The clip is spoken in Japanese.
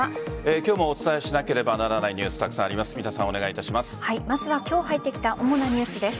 今日もお伝えしなければならないニュース、たくさんあります。